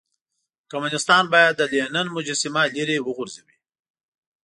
کمونيستان بايد د لينن مجسمه ليرې وغورځوئ.